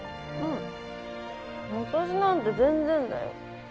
私なんて全然だよ